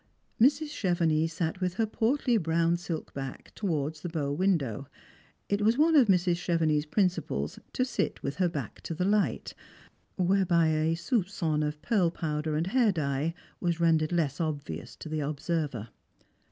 Mrs. Chevenix sat with her portly brown silk back towards the bow window. It was one of Mrs. Chevenix's principles to sit with her back to the light, whereby a soupfon of pead powder and hair dye was rendered less obvious to the obsei ver.